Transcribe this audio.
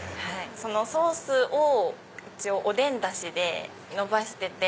そのソースをおでんダシでのばしてて。